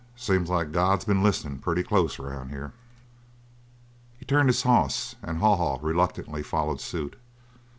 Seems like God's been listenin' pretty close, around here!" He turned his horse, and Haw Haw, reluctantly, followed suit.